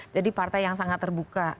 jadi partai yang sangat terbuka